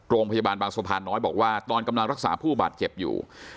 โรงพยาบาลบางสะพานน้อยบอกว่าตอนกำลังรักษาผู้บาดเจ็บอยู่